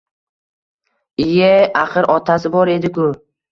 Iy-ye, axir otasi bor edi-ku!